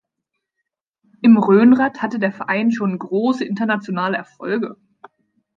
Im Rhönrad hatte der Verein schon große internationale Erfolge.